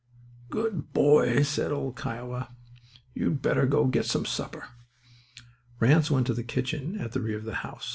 "Good boy," said old "Kiowa." "You'd better go get some supper." Ranse went to the kitchen at the rear of the house.